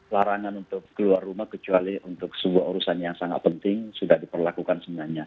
larangan untuk keluar rumah kecuali untuk sebuah urusan yang sangat penting sudah diperlakukan sebenarnya